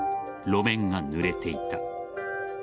路面がぬれていた。